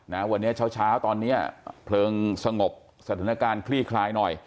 นะวันนี้เช้าเช้าตอนเนี้ยเพลิงสงบสถานการณ์คลี่คลายหน่อย